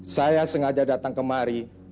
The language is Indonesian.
saya sengaja datang kemari